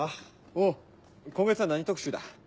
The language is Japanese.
おう今月は何特集だ？